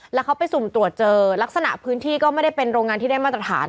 แล้วเขาไปสุ่มตรวจเจอลักษณะพื้นที่ก็ไม่ได้เป็นโรงงานที่ได้มาตรฐาน